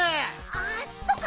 あそっか。